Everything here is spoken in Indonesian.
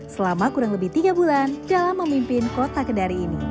selama kurang lebih tiga bulan dalam memimpin kota kendari ini